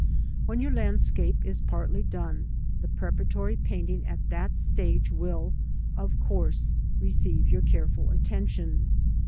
When your landscape is partly done, the preparatory painting at that stage will, of course, receive your careful attention.